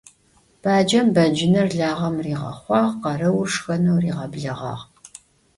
Bacem becıner lağem riğexhuağ, khereur şşxeneu riğebleğağ.